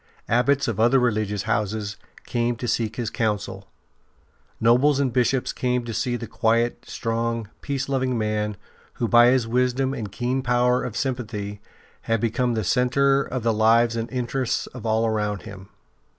Abbots of other religious houses came to seek his counsel; nobles and Bishops came to see the quiet, strong, peace loving man who by his wisdom and keen power of sympathy had become the centre of the lives and interests of all around him.